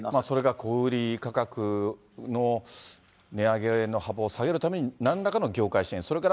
それから小売り価格の値上げの幅を下げるためになんらかの業界支援。